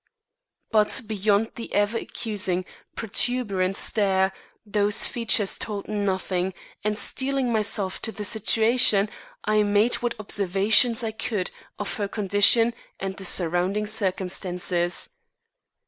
But beyond the ever accusing, protuberant stare, those features told nothing; and steeling myself to the situation, I made what observation I could of her condition and the surrounding circumstances.